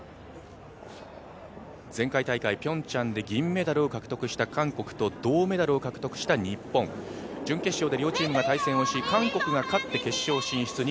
前回大会ピョンチャンで銀メダルを獲得した韓国と銅メダルを獲得した日本、準決勝で両チームが対決をし、韓国が勝って決勝進出